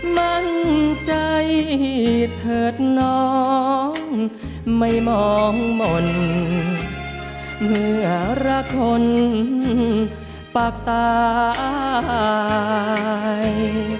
มั่นใจเถิดน้องไม่มองหม่นเมื่อรักคนปากตาย